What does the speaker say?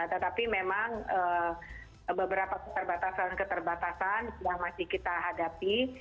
tetapi memang beberapa keterbatasan keterbatasan yang masih kita hadapi